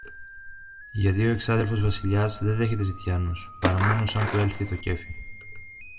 Γιατί ο εξάδελφος Βασιλιάς δε δέχεται ζητιάνους, παρά μόνο σαν του έλθει το κέφι.